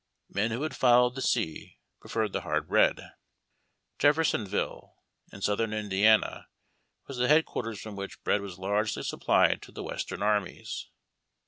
Men who had followed the sea preferred the hard bread. Jeffersonville, in Southern Indi ana, was the headquarters from which bread was largely supplied to the Western armies.